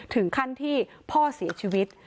ถึงขั้นที่พ่อเสียชีวิต